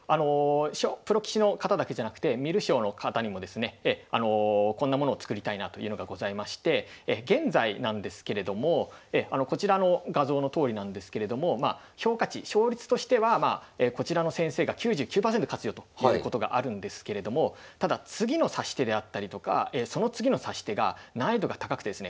プロ棋士の方だけじゃなくて観る将の方にもですねこんなものを作りたいなというのがございまして現在なんですけれどもこちらの画像のとおりなんですけれども評価値勝率としてはこちらの先生が９９％勝つよということがあるんですけれどもただ次の指し手であったりとかその次の指し手が難易度が高くてですね